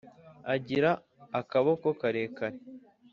agira akaboko karekare